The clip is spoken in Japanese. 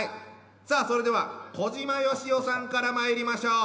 さあそれでは小島よしおさんからまいりましょう。